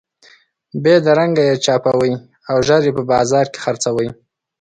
بېدرنګه یې چاپوئ او ژر یې په بازار کې خرڅوئ.